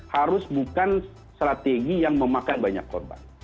harus bukan strategi yang memakai banyak korban